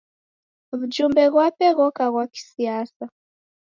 W'ujumbe ghwape ghoka ghwa kisiasa.